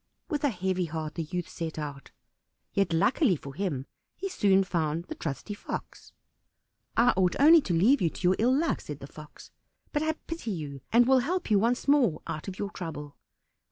With a heavy heart the youth set out; yet luckily for him he soon found the trusty Fox. "I ought only to leave you to your ill luck," said the Fox, "but I pity you, and will help you once more out of your trouble.